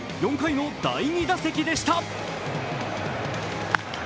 ４回の第２打席でした。